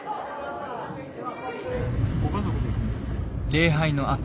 礼拝のあと。